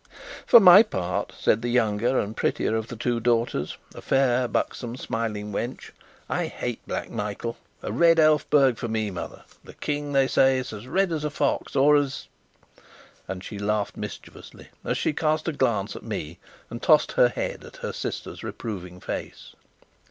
"For my part," said the younger and prettier of the two daughters, a fair, buxom, smiling wench, "I hate Black Michael! A red Elphberg for me, mother! The King, they say, is as red as a fox or as " And she laughed mischievously as she cast a glance at me, and tossed her head at her sister's reproving face.